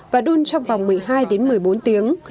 và đun trong vòng một mươi hai đến một mươi bốn tiếng